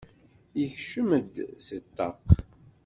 Yekcem-d seg ṭṭaq.